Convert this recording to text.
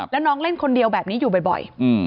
แล้วน้องเล่นคนเดียวแบบนี้อยู่บ่อย